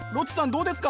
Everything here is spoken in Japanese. どうですか？